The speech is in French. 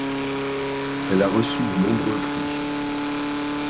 Elle a reçu de nombreux prix.